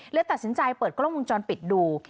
เลยตัดสินใจเปิดกล้องวงจรปิดดู